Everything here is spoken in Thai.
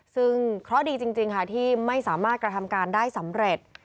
ซึ่งเคราะห์ดีจริงค่ะที่ไม่สามารถกระทำการได้สำเร็จ